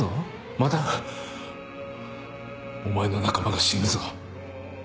またお前の仲間が死ぬぞ。